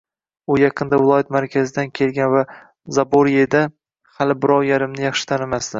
U yaqinda viloyat markazidan kelgan va Zaboryeda hali birov-yarimni yaxshi tanimasdi.